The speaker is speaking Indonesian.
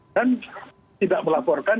dan tidak melaporkan